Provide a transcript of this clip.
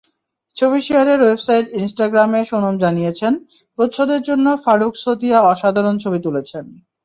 ছবি শেয়ারের ওয়েবসাইট ইনস্টাগ্রামে সোনম জানিয়েছেন, প্রচ্ছদের জন্য ফারুখ ছোথিয়া অসাধারণ ছবি তুলেছেন।